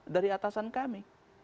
dari atasan kami